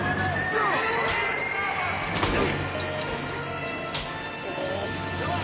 うっ！